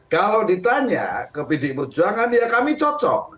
kalau ditanya ke pdi perjuangan ya kami cocok